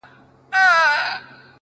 زموږ پر زخمونو یې همېش زهرپاشي کړې ده _